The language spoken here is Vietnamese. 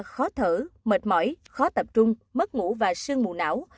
khó thở mệt mỏi khó tập trung mất ngủ và sương mù não